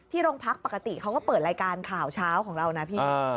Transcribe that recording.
โรงพักปกติเขาก็เปิดรายการข่าวเช้าของเรานะพี่